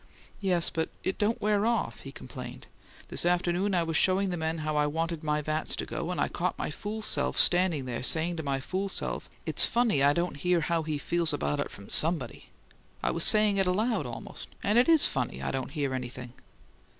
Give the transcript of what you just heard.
"Yes; but it don't wear off," he complained. "This afternoon I was showing the men how I wanted my vats to go, and I caught my fool self standing there saying to my fool self, 'It's funny I don't hear how he feels about it from SOMEbody.' I was saying it aloud, almost and it IS funny I don't hear anything!"